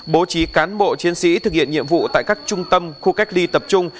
bố trí cán bộ chiến sĩ thực hiện nhiệm vụ tại các trung tâm khu cách ly tập trung